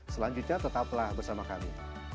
selanjutnya tetaplah bersama kami